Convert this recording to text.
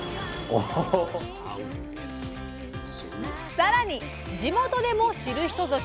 さらに地元でも知る人ぞ知る